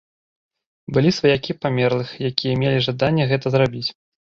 Былі сваякі памерлых, якія мелі жаданне гэта зрабіць.